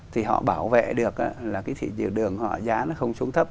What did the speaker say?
thì họ bảo vệ được là cái đường họ giá nó không xuống thấp